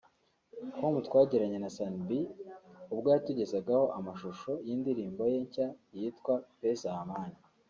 com twagiranye na Sunny B ubwo yatugezagaho amashusho y’indirimbo ye nshya yitwa “Pesa na Amani”